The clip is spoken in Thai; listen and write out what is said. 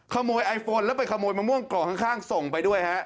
ขโมยไอโฟนแล้วไปขโมยมะม่วงกรอกข้างส่งไปด้วยฮะ